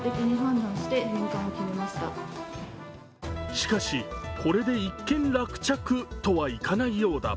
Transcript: しかしこれで一件落着とはいかないようだ。